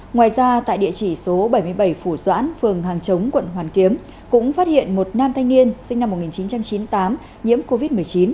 ngoài ra tại địa chỉ số bảy mươi bảy phủ doãn phường hàng chống quận hoàn kiếm cũng phát hiện một nam thanh niên sinh năm một nghìn chín trăm chín mươi tám nhiễm covid một mươi chín